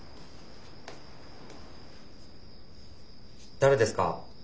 誰ですか？